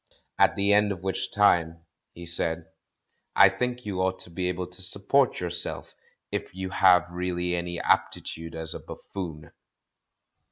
"At the end of which time," he said, "I think you ought to be able to support yourself, if you have really any aptitude as a buffoon."